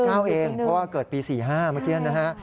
อายุ๑๙เองเพราะว่าเกิดปี๔๕เมื่อกี้นะฮะ